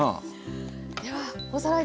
ではおさらいです。